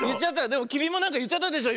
でもきみもなんかいっちゃったでしょ